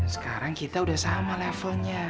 sekarang kita udah sama levelnya